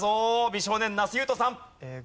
美少年那須雄登さん。